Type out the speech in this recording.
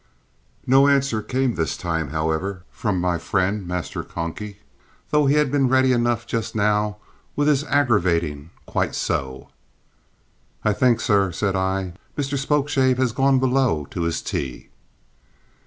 No answer came this time, however, from my friend, Master "Conky," though he had been ready enough just now with his aggravating "quite so." "I think, sir," said I, "Mr Spokeshave has gone below to his tea."